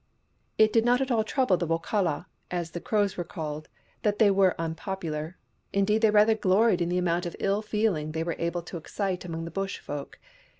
It did not at all trouble the Wokala, as the Crows were called, that they were unpopular. Indeed, they rather gloried in the amount of ill feeling they were able to excite among the Bush folk.